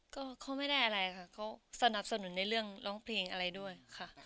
ก็เขาไม่ได้อะไรค่ะเขาสนับสนุนในเรื่องร้องเพลงอะไรด้วยค่ะ